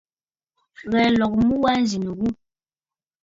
Ghɛ̀ɛ nlɔgə mu wa nzì nɨ ghu.